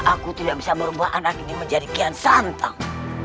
aku tidak bisa merubah anak ini menjadi kian santang